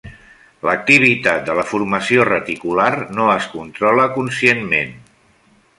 L'activitat de la formació reticular no es controla conscientment.